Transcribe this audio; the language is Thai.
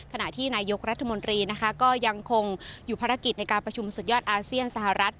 ขณะที่นายกรัฐมนตรีนะคะก็ยังคงอยู่ภารกิจในการประชุมสุดยอดอาเซียนสหรัฐ